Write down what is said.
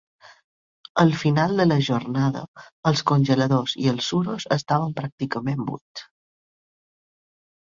Al final de la jornada els congeladors i els suros estaven pràcticament buits.